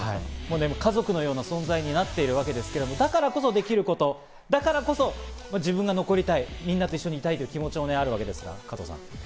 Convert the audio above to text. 家族のような存在になっているわけですけど、だからこそできること、だからこそ自分が残りたい、皆と一緒にいたいという気持ちがあるわけですが。